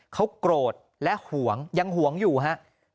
เขากรดและหวงยังหวงอยู่ฮะ